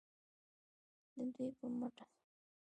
د دوی په مټه